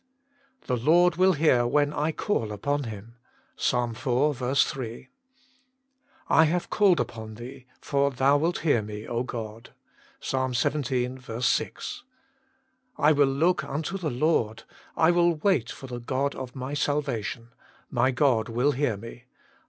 The Lord will hear when / call upon Him." Ps. iv. 3. " I have called upon Thee, for Thou wilt hear me, God !" Ps. xvii. 6. "I will look unto the Lord; I will wait for the God of my salvation: my God will hear me."